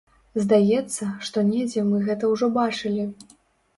Здаецца, што недзе мы гэта ўжо бачылі.